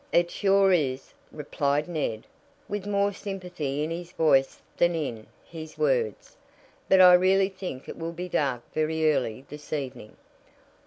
"It sure is," replied Ned, with more sympathy in his voice than in, his words. "But I really think it will be dark very early this evening."